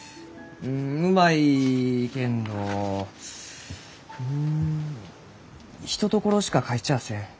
うまいけんどうん一ところしか描いちゃあせん。